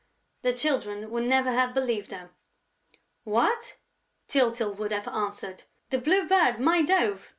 The Children would never have believed her: "What!" Tyltyl would have answered. "The Blue Bird, my dove?